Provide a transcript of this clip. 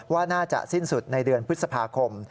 ว่าน่าจะสิ้นสุดในเดือนพฤษภาคม